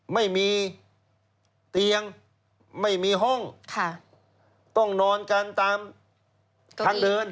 ไม่มีเตียงไม่มีห้องต้องนอนกันตามทางเดิน